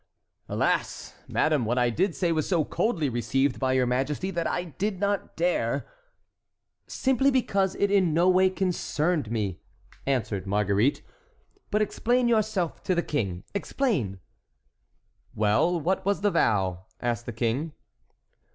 "Alas! madame, what I did say was so coldly received by your majesty that I did not dare"— "Simply because it in no way concerned me," answered Marguerite. "But explain yourself to the king—explain!" "Well, what was the vow?" asked the king.